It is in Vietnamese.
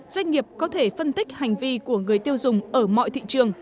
doanh nghiệp có thể phân tích hành vi của người tiêu dùng ở mọi thị trường